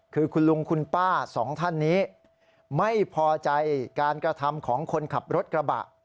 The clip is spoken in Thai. คือคุณลุงคุณป้าสองท่านนี้ไม่พอใจการกระทำของคนขับรถกระบะ